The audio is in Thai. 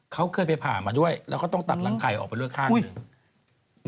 เขาเคยไปผ่ามาด้วยแล้วเขาต้องตัดหลังไข่ออกไปด้วยข้างหนึ่ง